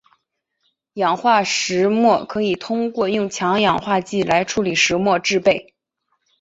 氧化石墨可以通过用强氧化剂来处理石墨来制备。